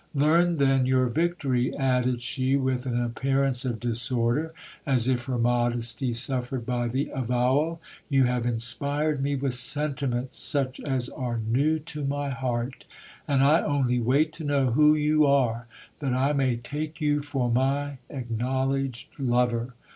Learn then your victory, added she with an appear ance of disorder, as if her modesty suffered by the avowal ; you have inspired me with sentiments such as are new to my heart, and I only wait to know who you are, that I may take you for my acknowledged lover.